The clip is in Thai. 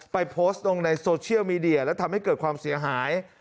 โพสต์ลงในโซเชียลมีเดียและทำให้เกิดความเสียหาย